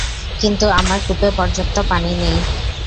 কিন্তু আমার কূপে পর্যাপ্ত পানি নেই।